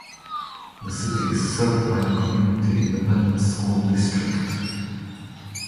The city is served by the Community Independent School District.